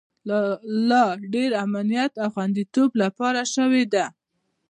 د لا ډیر امنیت او خوندیتوب لپاره شوې ده